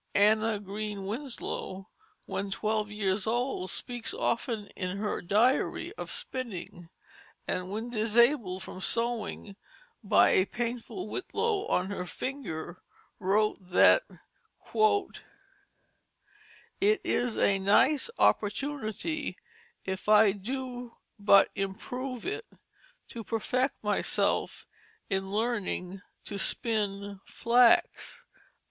Anna Green Winslow, when twelve years old, speaks often in her diary of spinning; and when disabled from sewing by a painful whitlow on her finger, wrote that "it is a nice opportunity if I do but improve it, to perfect myself in learning to spin flax."